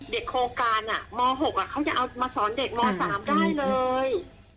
โครงการม๖เขาจะเอามาสอนเด็กม๓ได้เลย